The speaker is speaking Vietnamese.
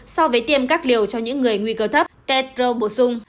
so với tiêm các liều cho những người nguy cơ thấp tedro bổ sung